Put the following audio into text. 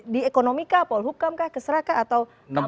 di ekonomi kah polhukam kah keseraka atau